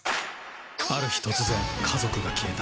ある日突然家族が消えた。